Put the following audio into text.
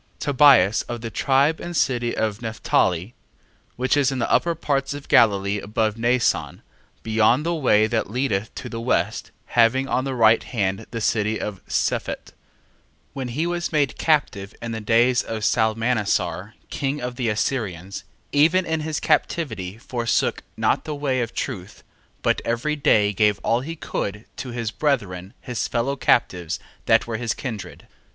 1:1. Tobias of the tribe and city of Nephtali, (which is in the upper parts of Galilee above Naasson, beyond the way that leadeth to the west, having on the right hand the city of Sephet,) 1:2. When he was made captive in the days of Salmanasar king of the Assyrians, even in his captivity, forsook not the way of truth, 1:3. But every day gave all he could get to his brethren his fellow captives, that were of his kindred.